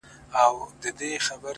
• د زلفو بڼ كي د دنيا خاوند دی،